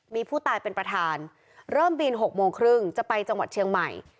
มีผู้ตายเป็นประธานเริ่มบิน๖โมงครึ่งจะไปจังหวัดเชียงใหม่